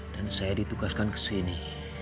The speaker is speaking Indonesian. dan saya ditugaskan kesini